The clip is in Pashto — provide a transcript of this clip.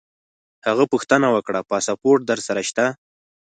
هغه پوښتنه وکړه: پاسپورټ در سره شته؟